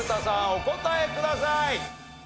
お答えください。